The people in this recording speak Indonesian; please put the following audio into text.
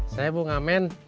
saya bu ngamen